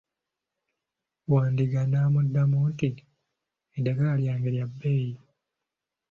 Wandiga n'amuddamu nti, eddagala lyange lya bbeeyi.